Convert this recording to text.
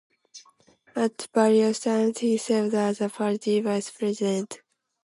At various times, he served as the party's vice-president.